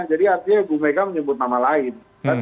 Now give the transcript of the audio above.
jadi artinya ibu mega menyebut nama lain